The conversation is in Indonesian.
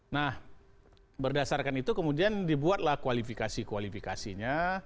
nah berdasarkan itu kemudian dibuatlah kualifikasi kualifikasinya